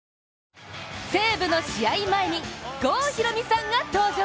西武の試合前に、郷ひろみさんが登場。